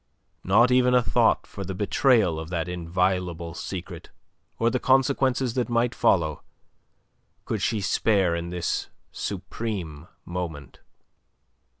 Not even a thought for the betrayal of that inviolable secret, or the consequences that might follow, could she spare in this supreme moment.